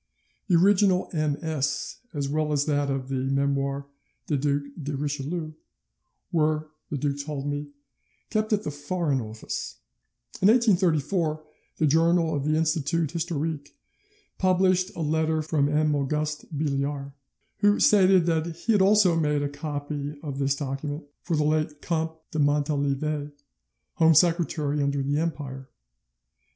The original MS., as well as that of the Memoires du Duc de Richelieu, were, the duke told me, kept at the Foreign Office. In 1834 the journal of the Institut historique published a letter from M. Auguste Billiard, who stated that he had also made a copy of this document for the late Comte de Montalivet, Home Secretary under the Empire.